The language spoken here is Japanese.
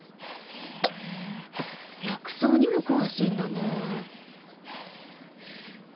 へぇ薬草にも詳しいんだね。